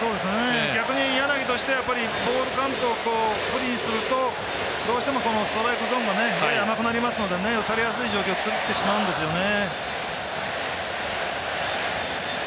逆に柳としてはボールカウントを不利にするとどうしても、ストライクゾーンがやや甘くなりますので打たれやすい状況を作ってしまうんですよね。